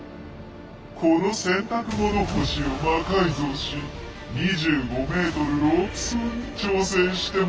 この洗濯物干しを魔改造し２５ｍロープ走に挑戦してもらう。